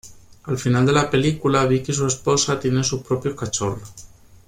Al final de la película, Vic y su esposa tienen sus propios cachorros.